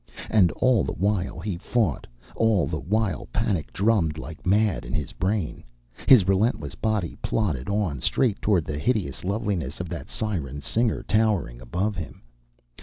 And all the while he fought, all the while panic drummed like mad in his brain, his relentless body plodded on straight toward the hideous loveliness of that siren singer towering above him.